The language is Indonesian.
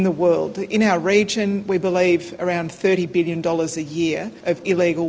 dari perguruan pertanian hidup ilegal